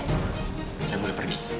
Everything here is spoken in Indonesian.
saya boleh pergi